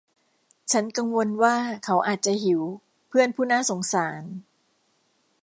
ฉันกังวลว่าเขาอาจจะหิว เพื่อนผู้น่าสงสาร